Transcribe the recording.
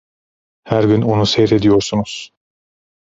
Her gün onu seyrediyorsunuz!